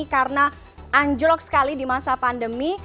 karena anjlok sekali di masa pandemi